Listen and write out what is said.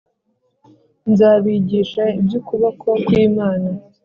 Nzabigisha iby ukuboko kw Imana